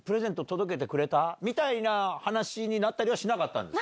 みたいな話になったりはしなかったんですか？